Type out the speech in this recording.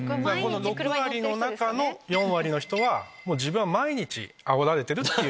⁉６割の中の４割の人は「自分は毎日あおられている」っていう。